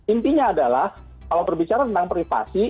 intinya adalah kalau berbicara tentang privasi